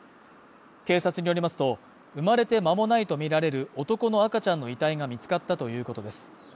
警察によりますと、生まれて間もないとみられる男の赤ちゃんの遺体が見つかったということです。